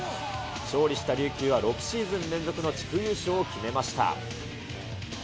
勝利した琉球は、６シーズン連続の地区優勝を決めました。